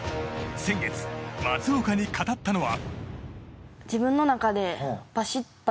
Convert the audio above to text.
先月、松岡に語ったのは。